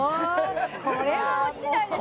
これは落ちないですよ